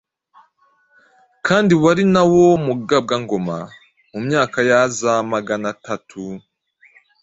kandi wari nawo mugabwangoma mu myaka yaza maganatatu